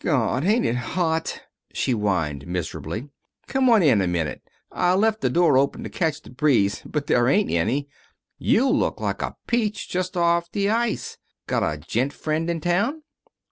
"Gawd, ain't it hot!" she whined miserably. "Come on in a minute. I left the door open to catch the breeze, but there ain't any. You look like a peach just off the ice. Got a gent friend in town?"